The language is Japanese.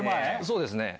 そうですね。